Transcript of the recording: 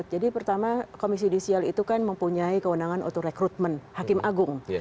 jadi pertama komisi judisial itu kan mempunyai kewenangan untuk rekrutmen hakim agung